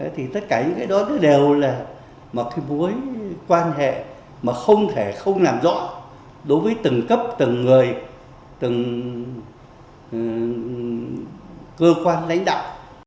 thì tất cả những cái đó đều là một cái mối quan hệ mà không thể không làm rõ đối với từng cấp từng người từng cơ quan lãnh đạo